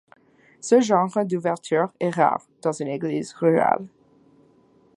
Ce genre d’ouverture est rare dans une église rurale.